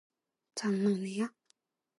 장난해요?